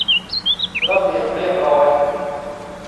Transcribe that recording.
ระเบียบเรียบร้อย